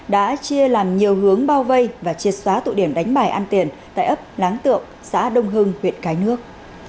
đã chia làm nhiều hướng bao vây và triệt xóa tụ điểm đánh bài ăn tiền tại ấp láng tượng xã đông hưng huyện cái nước